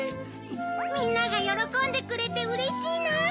みんながよろこんでくれてうれしいな！